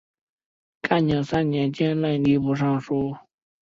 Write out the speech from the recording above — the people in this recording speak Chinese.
干宁三年兼任吏部尚书。